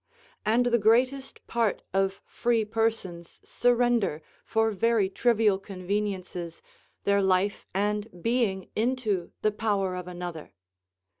And the greatest part of free persons surrender, for very trivial conveniences, their life and being into the power of another.